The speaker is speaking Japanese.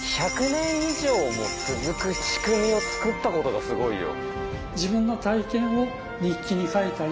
１００年以上も続く仕組みを作ったことがすごいよ。